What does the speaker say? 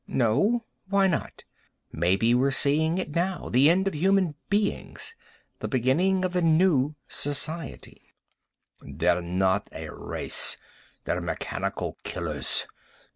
"No? Why not? Maybe we're seeing it now, the end of human beings, the beginning of the new society." "They're not a race. They're mechanical killers.